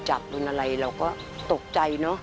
ทำไมเราต้องเป็นแบบเสียเงินอะไรขนาดนี้เวรกรรมอะไรนักหนา